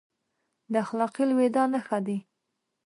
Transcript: د اخلاقي لوېدا نښه دی.